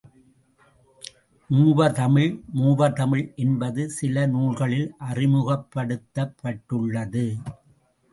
மூவர் தமிழ் மூவர் தமிழ் என்பது சில நூல்களில் அறிமுகப்படுத்தப் பட்டுள்ளது.